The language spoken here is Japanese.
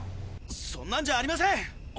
そんなんじゃありません！